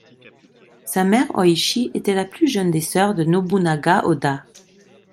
Sa mère, Oichi, était la plus jeune des sœurs de Nobunaga Oda.